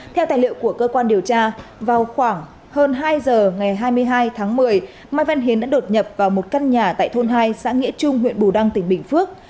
theo tài liệu của cơ quan điều tra vào khoảng hơn hai giờ ngày hai mươi hai tháng một mươi mai văn hiến đã đột nhập vào một căn nhà tại thôn hai xã nghĩa trung huyện bù đăng tỉnh bình phước